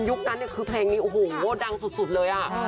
ยุคนั้นคือเพลงดังสุดเลย